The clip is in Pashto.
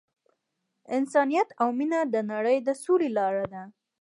انسانیت او مینه د نړۍ د سولې لاره ده.